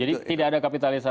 jadi tidak ada kapitalisasi soal